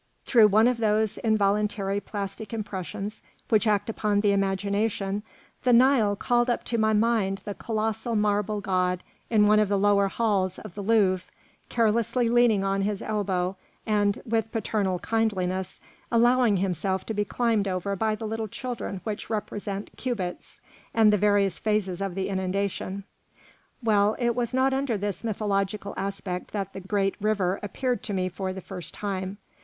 Through one of those involuntary plastic impressions which act upon the imagination, the Nile called up to my mind the colossal marble god in one of the lower halls of the Louvre, carelessly leaning on his elbow and, with paternal kindliness, allowing himself to be climbed over by the little children which represent cubits, and the various phases of the inundation. Well, it was not under this mythological aspect that the great river appeared to me for the first time.